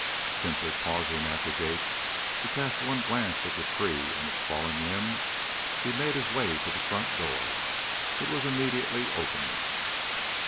Simply pausing at the gate to cast one glance at the tree and its fallen limb, he made his way to the front door. It was immediately opened.